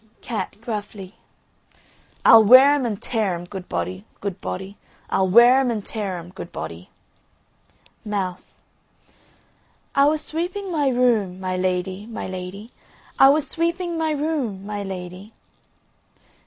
CAT (gruffly). I'll wear' em and tear 'em, good body, good body. I'll wear 'em and tear 'em, good body. MOUSE. I was sweeping my room, my lady, my lady, I was sweeping my room, my lady.